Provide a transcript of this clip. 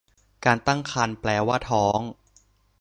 การตั้งครรภ์แปลว่าท้อง